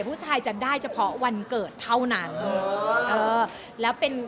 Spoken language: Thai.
ผู้ชายจะได้เฉพาะวันเกิดเท่านั้นเออแล้วเป็น